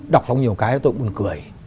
đọc xong nhiều cái tôi cũng buồn cười